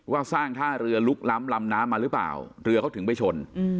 สร้างท่าเรือลุกล้ำลำน้ำมาหรือเปล่าเรือเขาถึงไปชน